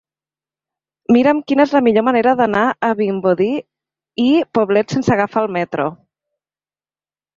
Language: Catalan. Mira'm quina és la millor manera d'anar a Vimbodí i Poblet sense agafar el metro.